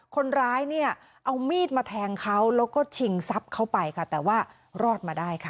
คนร้ายเนี่ยเอามีดมาแทงเขาแล้วก็ชิงทรัพย์เขาไปค่ะแต่ว่ารอดมาได้ค่ะ